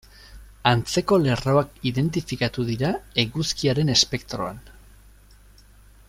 Antzeko lerroak identifikatu dira eguzkiaren espektroan.